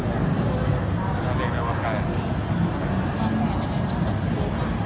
ตอนเด็กแล้วว่าใกล้